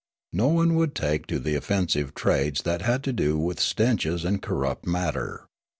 None would take to the offensive trades that had to do with stenches and corrupt matter.